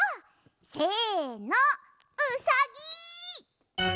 せのうさぎ！